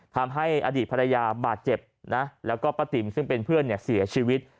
ทำให้อดีตภรรยาบาดเจ็บนะแล้วก็ป้าติ๋มซึ่งเป็นเพื่อนเสียชีวิต